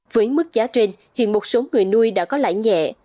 với mức giá trên hiện một số người nuôi đã có lãi nhẹ